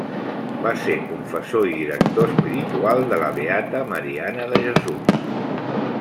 Va ser confessor i director espiritual de la beata Mariana de Jesús.